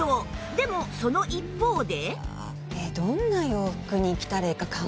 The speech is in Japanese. でもその一方で